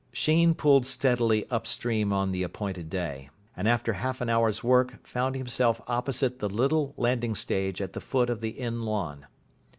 Sheen pulled steadily up stream on the appointed day, and after half an hour's work found himself opposite the little landing stage at the foot of the inn lawn.